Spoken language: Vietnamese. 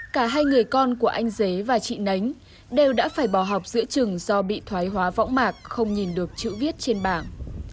cả hai người con của anh dế và chị nánh đều đã phải bỏ học giữa trường do bị thoái hóa võng mạc không nhìn được chữ viết trên bảng